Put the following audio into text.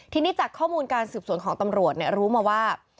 ทีนี้จากข้อมูลการสืบสวนของตำรวจรู้มาว่า